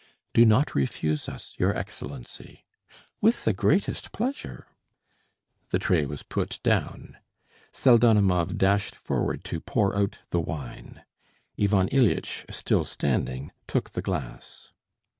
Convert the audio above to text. "Do not refuse us, your Excellency." "With the greatest pleasure." The tray was put down. Pseldonimov dashed forward to pour out the wine. Ivan Ilyitch, still standing, took the glass.